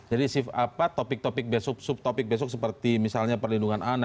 jadi apa topik topik besok subtopik besok seperti misalnya perlindungan anak